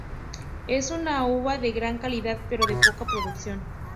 Es una uva de gran calidad pero de poca producción.